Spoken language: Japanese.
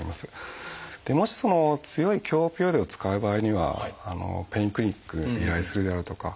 もし強い強オピオイドを使う場合にはペインクリニックに依頼するであるとか。